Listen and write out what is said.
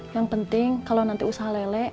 yang penting kalau nanti usaha lele